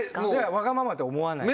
わがままと思わないです。